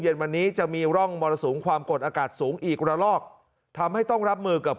เย็นวันนี้จะมีร่องมรสุมความกดอากาศสูงอีกระลอกทำให้ต้องรับมือกับ